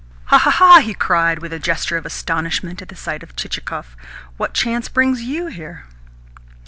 "Ha, ha, ha!" he cried with a gesture of astonishment at the sight of Chichikov. "What chance brings YOU here?"